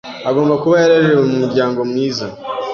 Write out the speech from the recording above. Agomba kuba yararerewe mu muryango mwiza.